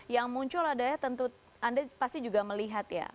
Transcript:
yang muncul adalah tentu anda pasti juga melihat ya